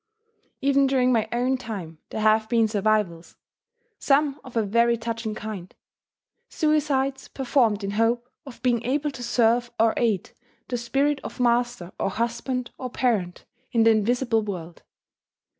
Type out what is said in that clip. Even during my own time there have been survivals, some of a very touching kind: suicides performed in hope of being able to serve or aid the spirit of master or husband or parent in the invisible world.